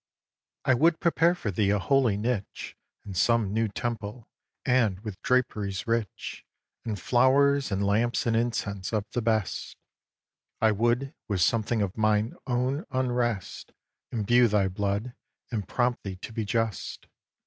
iii. I would prepare for thee a holy niche In some new temple, and with draperies rich, And flowers and lamps and incense of the best, I would with something of mine own unrest Imbue thy blood and prompt thee to be just.